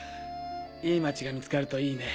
いい町が見つかるといいね。